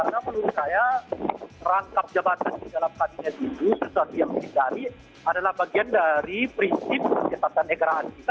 karena menurut saya rangkap jabatan di dalam kabinet itu sesuatu yang menjadi adalah bagian dari prinsip penyelidikan ekoran kita